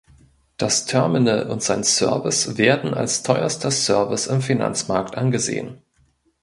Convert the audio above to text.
Das Terminal und sein Service werden als teuerster Service im Finanzmarkt angesehen.